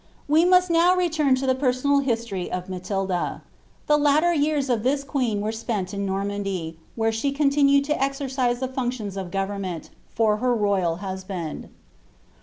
We must now return to the personal history of Matilda. The latter years of this queen were spent in Normandy, where she continued to exercise the functions of government, for her royal husband.'